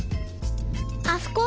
あそこ！